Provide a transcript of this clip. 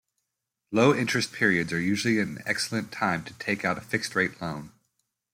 Low-interest periods are usually an excellent time to take out a fixed rate loan.